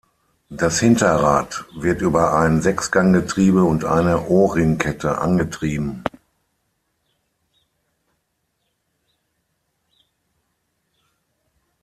Das Hinterrad wird über ein Sechsganggetriebe und eine O-Ring-Kette angetrieben.